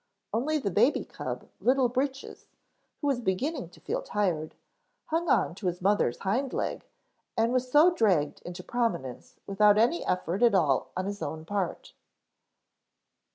Only the baby cub, Little Breeches, who was beginning to feel tired, hung on to his mother's hind leg and so was dragged into prominence without any effort at all on his own part.